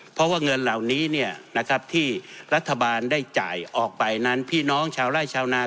เพราะว่าเงินเหล่านี้ที่รัฐบาลได้จ่ายออกไปนั้นพี่น้องชาวไร่ชาวนา